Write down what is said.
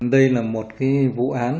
đây là một cái vụ án